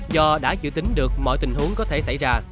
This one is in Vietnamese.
do đã dự tính được mọi tình huống có thể xảy ra